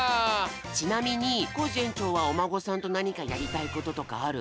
ちなみにコージ園長はおまごさんとなにかやりたいこととかある？